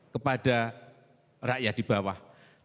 kepada rakyat di bawah